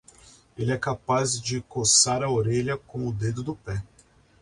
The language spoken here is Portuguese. Ele é capaz de coçar a orelha com o dedo do pé.